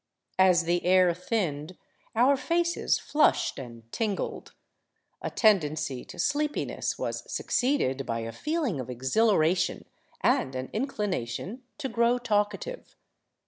As the air thinned, our faces flushed and tingled; a tendency to sleepiness was succeeded by a feeling of exhilaration and an inclination to grow talkative.